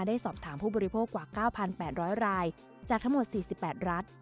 ได้สอบถามผู้บริโภคกว่า๙๘๐๐รายจากทั้งหมด๔๘รัฐ